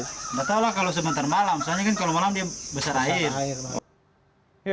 tidak tahu lah kalau sebentar malam soalnya kan kalau malam dia besar air